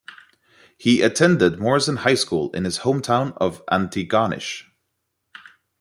He attended Morrison High School in his home town of Antigonish.